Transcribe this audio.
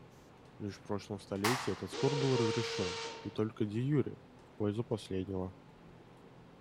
Лишь в прошлом столетии этот спор был разрешен — и только деюре — в пользу последнего.